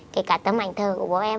kể cả tấm ảnh thờ của bố em